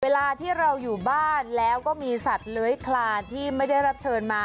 เวลาที่เราอยู่บ้านแล้วก็มีสัตว์เลื้อยคลานที่ไม่ได้รับเชิญมา